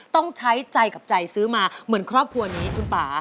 ต้องใช้ใจกับใจซื้อมาเหมือนครอบครัวนี้คุณป่า